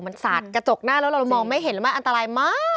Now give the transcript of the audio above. มันสาดกระจกหน้าแล้วเรามองไม่เห็นแล้วมันอันตรายมาก